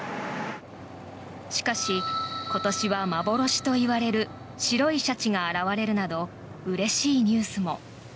しかし、今年は幻といわれる白いシャチが現れるなどうれしいニュースも。